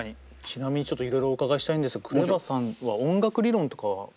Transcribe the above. ちなみにちょっといろいろお伺いしたいんですがＫＲＥＶＡさんは音楽理論とかはお勉強？